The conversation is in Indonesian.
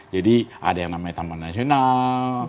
jadi ada yang namanya taman nasional